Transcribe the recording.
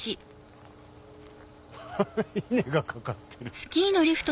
稲が掛かってる。